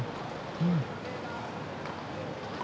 うん。